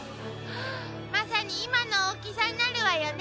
まさに今の大きさになるわよね。